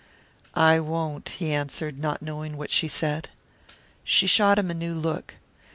"I won't," he answered, not knowing what he said. She shot him a new look.